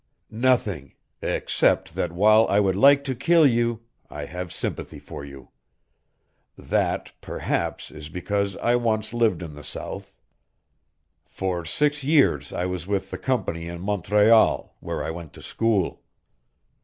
"Nothing except that while I would like to kill you I have sympathy for you. That, perhaps, is because I once lived in the South. For six years I was with the company in Montreal, where I went to school."